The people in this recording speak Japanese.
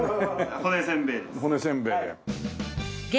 骨せんべいです。